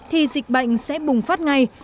thì dịch bệnh sẽ bùng phát ngay